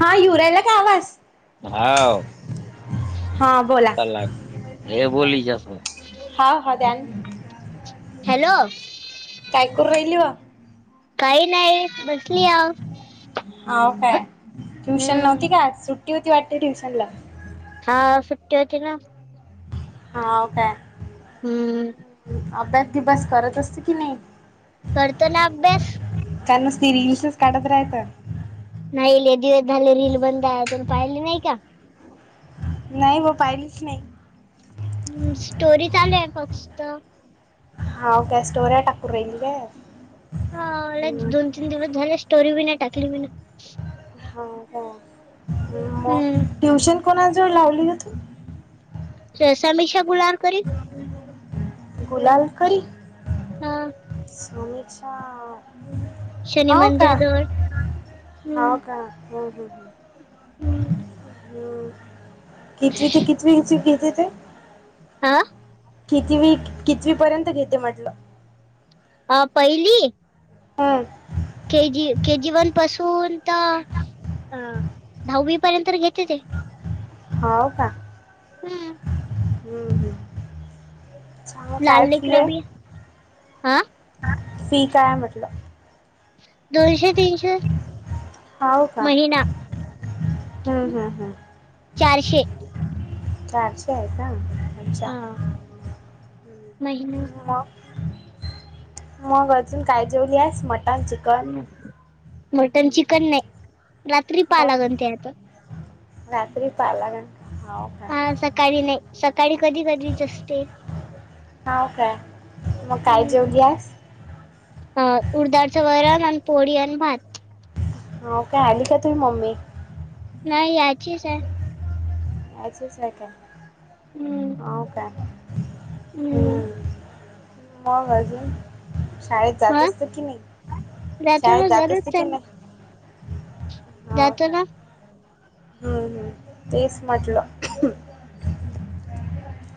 हा यु राहीला काय आवाज? हाव. हा बोला हा हा [unintelligible] द्यान हॅलो कायकूर रहिल वा काही नाही बसली हाव हाव काय ट्युशन हम्म. नव्हती का सुट ती होती वाटतं ट्युशन ला हा सुुट्टी होती ना हाव का हम्म अभ्यास, बिब्यास करत असते की नाही? करतो ना अभ्यास. [unintelligible] काढत राहत नाही लई दिवस झाले रील बंद अजून पाहिले नाही का नाही ग पाहिलीच नाही. हम् स्टोरी चालूय फक्त हा गॅस स्टोर आहे टाकूर राहिल ग हा दोन तीन दिवस झाले स्टोरी बी नाही टाकली मीन हाव का मग हम्म ट्युशन कोणा जवळ लावली ग तू ते समीक्षा गुराळकर गुलाल करी ह समीक्षा शनी हो का, मंदिर जवळ हो का ह, ह, ह हम् कितवी ते कितवी ची घेते ते हा कितीवी, कितवी पर्यंत घेते म्हटलं ह पहिली ह के जी, के जी वन पासून तर अ दहावी पर्यंत घेते ते हाव का हम्म हम्म. [unintelligible] आ फी काय हाय म्हटलं? दोनशे, तीनशे हाव का महिना ह, ह, ह चारशे चारशे आहे का अच्छा नाहीन मग मग अजून काय जेवली आहेस मटन, चिकन? मटन, चिकन नाही रात्री पाहा मग लागणते आता रात्री पहाव लागण हाव हा सकाळी नाही सकाळी कधी, कधीच असते हाव काय? मग काय जेवलीयास? अ उडदडचं वरण आणि पोळी आणि भात हो काय आली का तुझ मम्मी नाही याचीच आहे अ का हम्म हाव काय हो हम्म मग अजून शाळेत जात हा असते की नाही, जातो शाळेत ना जात जरूर असते की चाल नाही जातो ना ह, ह तेच म्हटलं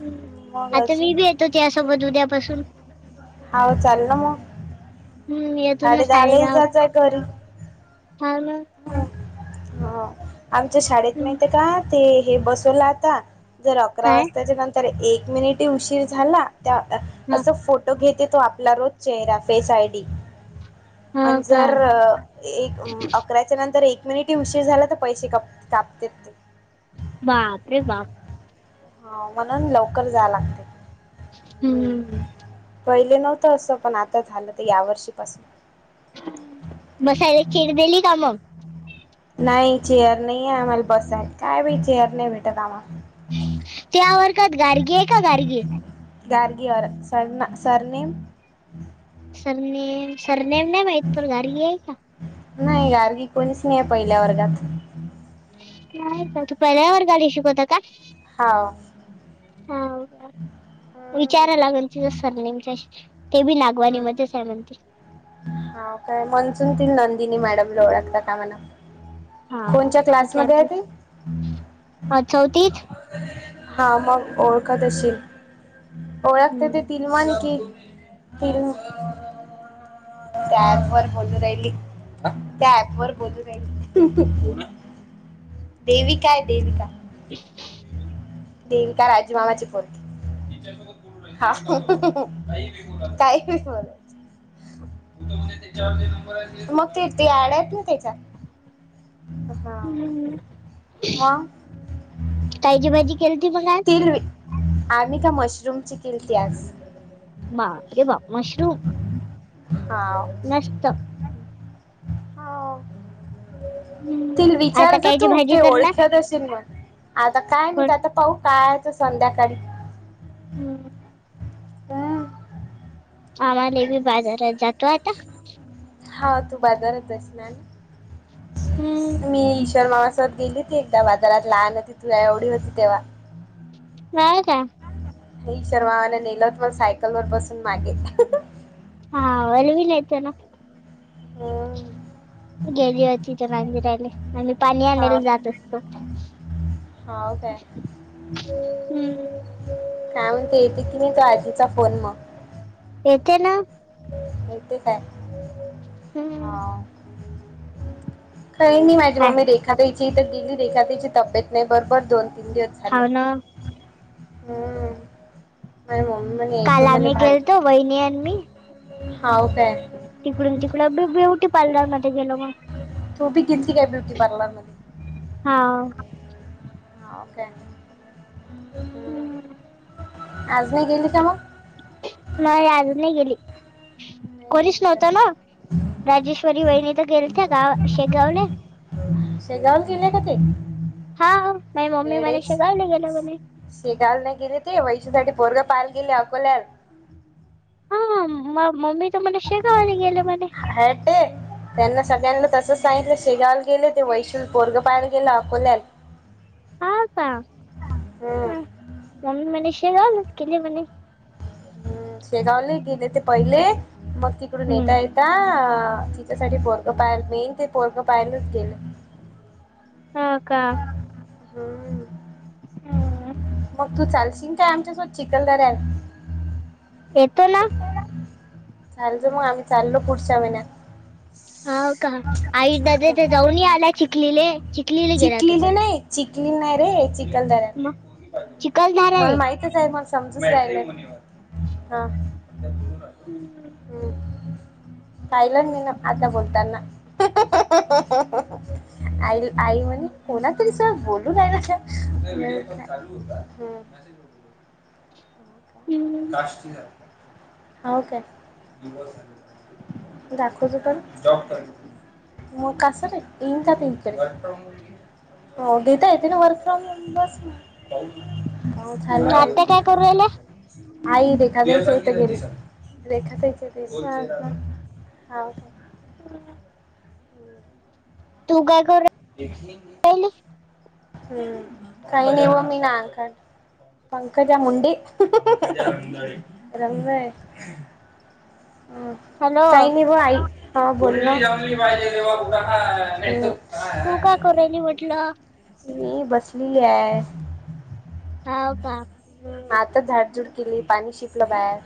ह मग आता मी अजून बी येतो त्यासोबत उद्यापासून हाव चाल ना मग. म्हणून येताना साडे दहालाही दहा, जात जाय घरी हा ना. हो, आमच्या शाळेत माहिती का? ते हे बसवलं आता. जर अकरा काय वाजताच्या नंतर एक मिनिट ही उशीर झाला त्या ह असं फोट फोटो घेते तो आपला रोज चेहरा फेस आयडी. ह अन् का जर एक आकरायच्या नंतर एक मिनिटही उशीर झाला तर पैसे काप कापते ती. बापरे! बाप. हाव म्हणून लवकर जाया लागतय. हम्म. पहिले नव्हतं असं, पण आता झालं तर या वर्षीपासून. बसायला एक चेअर दिली का मग? नाही चेअर नाही आम्हाला बसाय, काय बी चेअर नाही भेटत आम्हाला. त्या बोलतात गार्गी आहे का गार्गी? गार्गीयर, सर ना सरनेम. सरनेम, सरनेम नाही माहीत, पण गार्गी आहे का? नाही गार्गी कोणीच नाही पहिल्या वर्गात. नाही, का तू पहिल्या वर्गाला शिकवता क. हो. हो का?, विचाराला लागल तिचा सरनेम काय. ते बी लागवानि मधेच आहे म्हणते. हा काय [inaudible] नंदिनी मॅडमला ओळखता का मला? हा कोणच्या क्लासमध्ये आहे विचारते ती? अ चौथीत. हा मग ओळखत असशील. ओळखते ते तिलमान कि त्या अँप वर बोलू राहिली. त्या ऍप वर बोलू राहिली. देविका आहे देविका. [unintelligible] देविका राजू मामाची पोरगी. हा. [unintelligible] मग ते, ते, आडत नाय त्याच्यात. हां हम्म मग? कायची भाजी. केलती मग आज तिलवी आम्ही त्या मशरूम ची केलती आज. मां येबा मशरूम हां. [inaudible] हम्म तील आता विचारायच कायची तू भाजी तूले करणार ओळखी असल म्हण आता काय? मी कोण आता पाऊ काय हाय ते संध्याकाळी. [inaudible] हम्म. आम्हाले बी बाजारात जातो आता. हा तू बाजारात जासिना हम्म मी ईश्वरमामा समोर तर ती गेली हो ती एकदा बाजारात लहान होती तू एवढी होती तेव्हा. नाय काय? हे सर्वांना नेल होत सायकल वर बसून मागे. हा अलवील यत ना. हम्म. गेली होती तर राणीने आणि मी पाणी आणायला जात होते. हो काय? हम्म काय म्हणते येते की नाही तो आधीचा फोन मग? येते ना होईते. हम्म काही नाही माझी हा मम्मी रेखा त्याची तर गेली रेखा त्याची तब्येत नाही बरोबर दोन तीन दिवस झा हाव ना. म मम्मी काल मेतो म आम्ही भ गेलतो वहिनी आणि मी हा काय तिकडून तिकडं ब्युटी पार्लर मध्ये गेलो मग. तू बी गेलती काय ब्युटी पार्लर ला? हा होव काय हम्म आज नाही गेली का मग? नाही अजून नाही गेली नाही कोणीच गेली का नव्हत ना. राजेश्वरी वहिणी तर गेलत्या ते गाव शेगावले. शेगाव गेले का ते हा माझी मम्मी मला येडे शिकवली गेलो म्हणे शेगावला नाही गेले ते वैशूसाठी पोरग पहायला गेलेत अकोल्यात. हा मम्मी त मला शेगावाने गेले मणे. हाडं. त्यांना सगळ्यांना तसंच सांगितलं शेगावल गेले ते वैशूल पोरग पाहायला गेले अकोल्यात. हाव का हम्म नई [unintelligible] हम्म शेगावले गेले ते पहिले मग तिकडून हम्म येता ये. का तिच्यासाठी पोरकं पायर मेन ते परगं पायलच गेलं. हा का हम्म. हम्म. मग तू चालशील काय आमच्यासोबत चिखल दरयात. येतो ना चालतं मग आम्ही चाललो पुढच्या महिन्यात. हो का आई म्हणते तर जाऊन नही आला चिखलीले चिखलीले गेला तो चिखलीले पण नाही चिखली नाही रे चिकखल मग दर्यात. चिखलदरा मला रे माहितच आहे मस आमचंच डाईन आहे, हा हम्म हम्म पाहिलं मीन आता बोलताना [unintelligible] आईल आई म्हणे कोणा तरीस बोलू काय ना, मी म्हटलं हम्म. हम्म हाव काय? दाखव तू पण. [unintelligible] हो घेता येत ना वर्क फ्रॉम हो बस हो चाले कोरोइले [unintelligible] हो का होव तू काय करू राहि हम्म काही नई बुवा मी नाव काढ पंकजा मुंडे, रमदाडे. हा हॅलो काही नाही ब आई बोल ना हाय हाय. करोली म्हटलं. मी बसली आहे. हो का. आता झाडझुड केली पाणी शिपलं बाहेर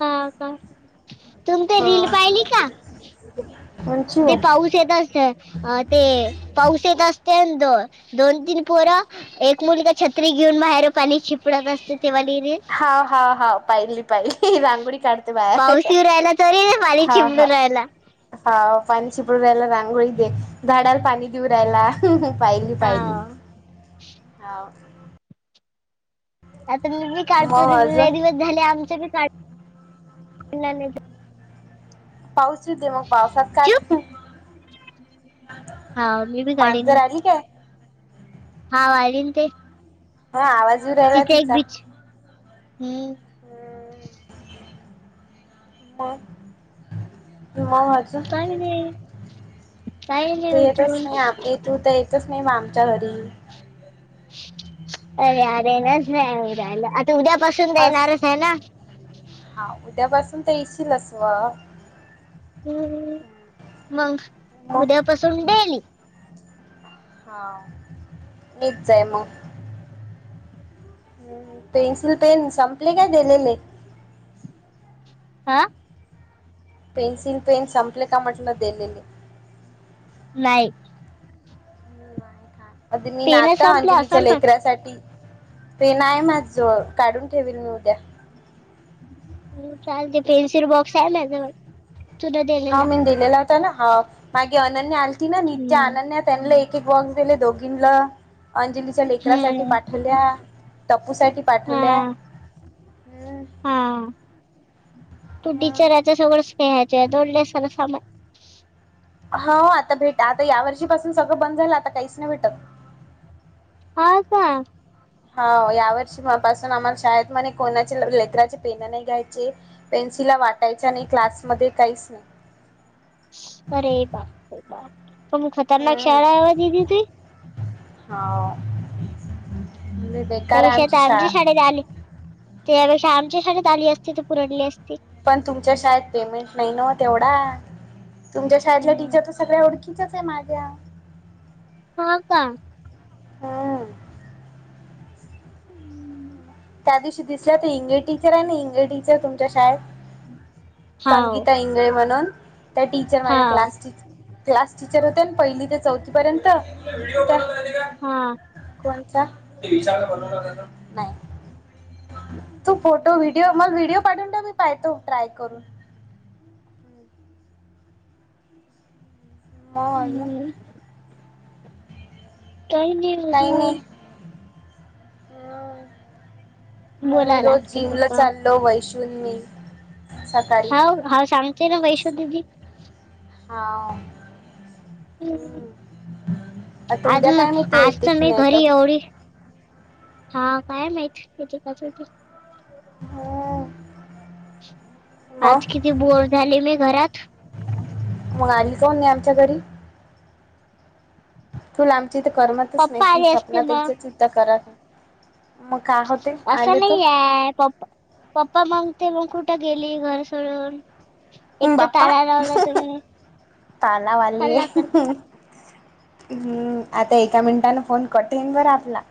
हा का, तुम ते हा रील पाहिली का कोणची हो ते पाऊस. पासेत असत ते पाऊस येत असते द दोन, तीन पोर एक मुलगा छत्री घेऊन बाहेर पाणी शिपडत असते तेव्हा लिरी हा हा हा... पाहिली. रांगोळी काढते बाहेर पाऊस येऊ राहिला तरी पाणी हा चिपडू हा. राहिला हा पाणी शिपडू राहायला रांगोळी दे, झाडाला पाणी देऊ राहायला. पाहिली पाहिली हा हा. आता मी बी काढतो मग अजून रेडीव झाले आमचे बी काढ पाऊस येते, मग पावसात चुप काय. हाव मी बी गाडीन. काय हा अजून काही. हा आवाज राहिला. तिथे एक तिचा बीच हम्म हम्म मग, मग अजून काय नाही बाई. तू येतच नाही आम ये, तू तर एकेतच नाही मग आमच्या घरी. [unintelligible] आता उद्यापासून अस देणारच आहे ना. हा उद्यापासून ते येशीलच अस व हम् मग मग उद्यापासून डेली. हा मीचं आहे मग. पेन्सिल पेन संपले काय दिलेले हा. पेन्सिल पेन संपले का म्हटलं दिलेली नाई मग तिन्ही पेन नाचा संपलं अंजलीच्या असेल पण लेकराासाठी. ते नाही माझं जवळ काढून ठेवेल मी उद्या. चाल ते पेनसिल बॉक्स आहे माझ्याजवळ तुला हा दिलेला मी दिलेला होता ना, हा मागे अनन्या आलीती ना नित्या हम्म अनन्या त्यांना. एक बॉक्स दिले दोघींला, अंजलीच्या लेकरासाठी बाठल्या. टप्पू साठी पाठवल्या हा हम्म. हा तू टिचरच्या सोच पिहायचे दड स समा. हा, आता भेट आता या, वर्षीपासून सगळं बंद झालं आता काहीच नाही भेटत. हा का. हा या वर्षी पासून आम्हाला, शाळेत म्हणे कोणाचे लेकराची पेन नाही घ्यायचे. पेन्सिला वाटायच्या नाही क्लासमध्ये काहीच नाही. अरे बाप रे बाप तुम्ही, खतरनाक शाळा आहे दीदी ती. हाव. त्यापेक्षा आता आमची शाळेत आली त्या, त्यापेक्षा आमची शाळेत आली असती त पुरडली असती. पण तुमच्या शाळेत पेमेंट नाही न तेवढा, तुमच्या शाळेतला टीचर तर सगळ्या ओळखी ठीक आहेच माझं. हो का. हम्म त्या दिवशी दिसल्या तर इंगले टीचर, आहे ना इंगले टीचर तुमच्या शाळेत. हाव संगीता इंगळे म्हणून, त्या टीचर माझ्या हाव क्लास टीचर. क्लास टीचर होते पहिली, ते चौथीपर्यंत तर. हा. कोणत नाही तू फोटो व्हिडिओ मला व्हिडिओ पाठवून दे मी पाहतो ट्राय करून. हो ना. हम्म काही नाही काही नाही अजून. आम्ही बोला रोज लागते जीमला पप्पा चाललो वैशु आणि मी. सकाळी हा हा शांगते ना वैषो दीदी. हा. हम्म. आता आज उद्या काय मग माहिती आज येते तर की मी नाही घरी एवढी. हा काय माहीत कितीे कस हो. हो. आज किती बोर झाले मी घरात. मग आली का नाही आमच्या घरी. तूला आमची इथं तर करमतच नाही पप्पा त आले असते मग सपनातच चिता करालोय. असं नाही आहे पप्पा पप्पा मग ते मग कुठे गेली घर सोडून. एक तर बाप्पा ताला लावला तर तालावाली हल्ला करते आहे. हम्म आता एका मिनिटानें फोन कटींग कर आपला.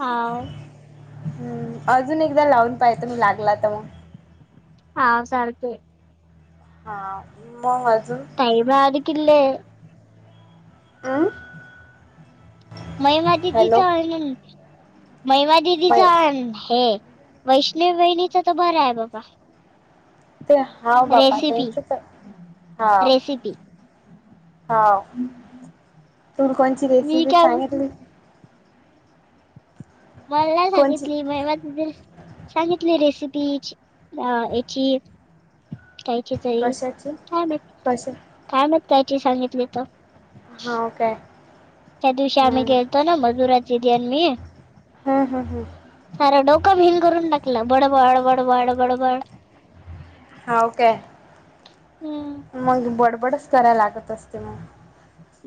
हा. हम्म. अजून एकदा लावून पाहतो मी लागला तर मग. हा चालतंय. हा, मग अजून? [unintelligible] किले. अं. महिमा दिदीचा अन महिमा दिदीचा बाय आण हे. वैष्णवी वहिणीचा तर बर आहे बघा. ते हा बाबा रेसिपी त्यांच तर हा. रेसिपी हा तु कोणची मी रेसिपी काय सांगितली. मला नाही कोणची सांगितली मेघा दीदी सांगितले रेसिपीज याची कायची. कशाची काय कशा कायमग त्यायची सांगितली तर. हाव काय? त्यादिवशी आम्ही हम्म गेलतो ना मधुराज दीदी आणि मी. हम हम हम. सार डोकं भिण करून टाकला, बडबड बडबड बडबड. हाव काय? हम्म मग बडबडच करायला लागत असते मग.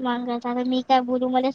मंग अचानक मी काय बोलू मला.